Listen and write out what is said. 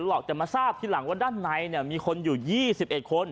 หรอกจะมาทราบทีหลังว่าด้านในเนี้ยมีคนอยู่ยี่สิบเอ็ดคน